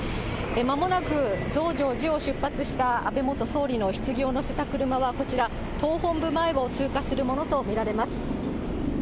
まもなく増上寺を出発した安倍元総理のひつぎを乗せた車は、こちら、党本部前を通過するものと見られます。